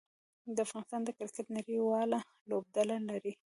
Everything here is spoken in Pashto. افغانستان د کرکټ نړۍواله لوبډله لري.